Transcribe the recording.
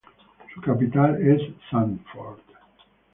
Su capital es Sanford.